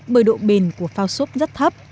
bởi độ bền của phao sốt rất thấp